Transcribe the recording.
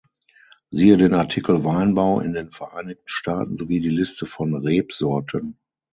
Siehe den Artikel Weinbau in den Vereinigten Staaten sowie die Liste von Rebsorten.